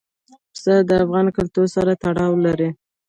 پسه د افغان کلتور سره تړاو لري.